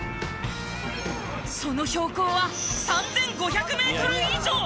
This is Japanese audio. その標高は３５００メートル以上！